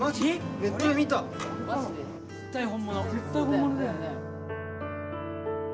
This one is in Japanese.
絶対本物だよね。